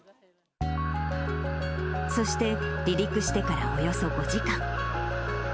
そして、離陸してからおよそ５時間。